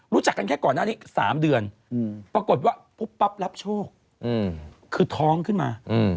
รู้จักกันแค่ก่อนหน้านี้๓เดือนปรากฏว่าปุ๊บปั๊บรับโชคคือท้องขึ้นมา